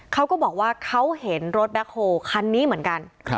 เขาก็บอกว่าเขาเห็นรถแบ็คโฮคันนี้เหมือนกัน